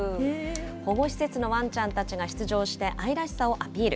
保護施設のワンちゃんたちが出場して、愛らしさをアピール。